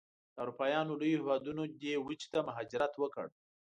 د اروپایانو لویو هېوادونو دې وچې ته مهاجرت وکړ.